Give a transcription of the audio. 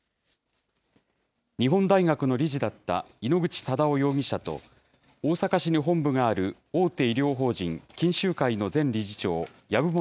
日本大学の理事だった井ノ口忠男容疑者と、大阪市に本部がある大手医療法人錦秀会の前理事長、籔本